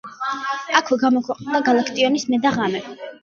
აქვე გამოქვეყნდა გალაკტიონის მე და ღამე.